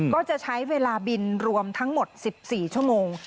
ก็จะใช้เวลาบินรวมทั้งหมด๑๔ชั่วโมง